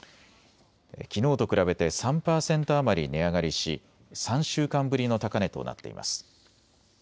きのうと比べて３％余り値上がりし３週間ぶりの高値となっています。